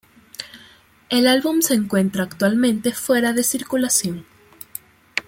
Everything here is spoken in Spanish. El álbum se encuentra actualmente fuera de circulación.